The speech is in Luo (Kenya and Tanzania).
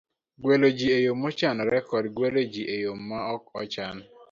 gwelo ji e yo mochanore kod gwelo ji e yo ma ok ochan.